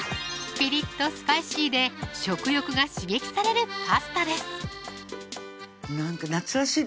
ピリッとスパイシーで食欲が刺激されるパスタですなんか夏らしいですよね